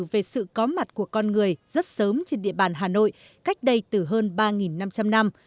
về sự có mặt của con người rất sớm trên địa bàn hà nội cách đây từ hơn ba năm trăm linh năm